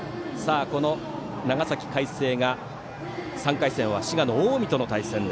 この長崎・海星が３回戦は滋賀の近江との対戦。